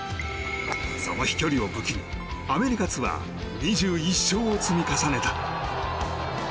その飛距離を武器にアメリカツアー２１勝を積み重ねた。